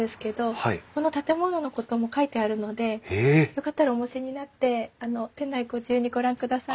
よかったらお持ちになって店内ご自由にご覧ください。